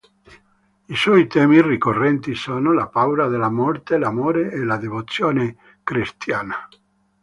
I suoi temi ricorrenti sono la paura dalla morte, l'amore e la devozione cristiana.